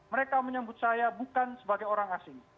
mereka menyebut saya bukan sebagai orang asing